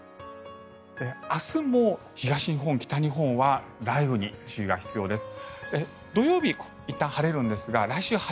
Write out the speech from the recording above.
明日も東日本、北日本は雷雨に注意が必要です。